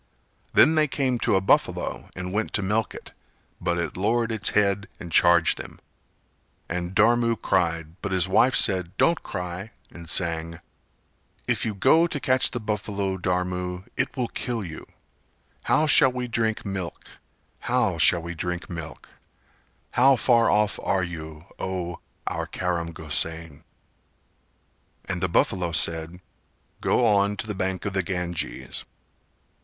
Then they came to a buffalo and went to milk it, but it lowered its head and charged them; and Dharam cried but his wife said "Don't cry" and sang: "If you go to catch the buffalo, Dharmu, It will kill you. How shall we drink milk? How shall we drink milk? How far off are you, O our Karam Gosain?" And the buffalo said "Go on to the bank of the Ganges."